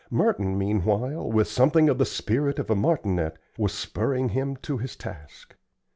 Merton, meanwhile, with something of the spirit of a martinet, was spurring him to his task.